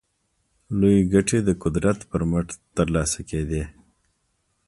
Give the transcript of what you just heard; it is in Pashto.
لویې ګټې د قدرت پر مټ ترلاسه کېدې.